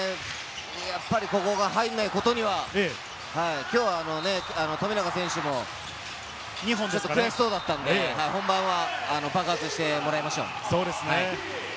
やっぱりここが入らないことにはきょうは富永選手も２本ですか、悔しそうだったので、本番は爆発してもらいましょう。